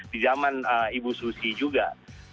di zaman ibu susi juga